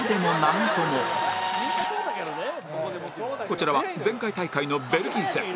こちらは前回大会のベルギー戦